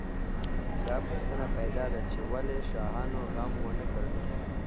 دا پوښتنه پیدا ده چې ولې شاهانو غم ونه کړ.